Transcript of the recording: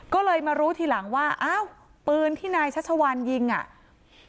ก็เลยมารู้ทีหลังว่าอ้าวปืนที่นายชัชวานยิงอ่ะ